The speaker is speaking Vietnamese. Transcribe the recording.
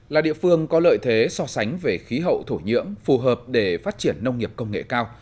là địa phương có lợi thế so sánh về khí hậu thổ nhưỡng phù hợp để phát triển nông nghiệp công nghệ cao